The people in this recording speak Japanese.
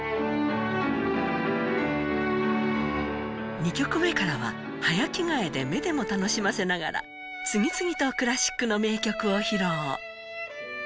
２曲目からは早着替えで目でも楽しませながら次々とクラシックの名曲を披露